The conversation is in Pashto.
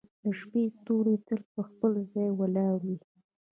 • د شپې ستوري تل په خپل ځای ولاړ وي.